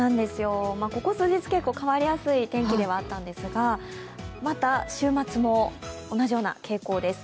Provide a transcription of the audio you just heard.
ここ数日、結構変わりやすい天気ではあったんですが、また週末も同じような傾向です。